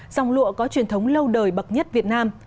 dòng lụa có truyền thống lâu đời bậc nhất việt nam